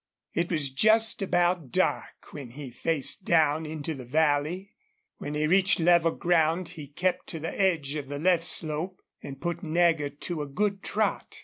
It was just about dark when he faced down into the valley. When he reached level ground he kept to the edge of the left slope and put Nagger to a good trot.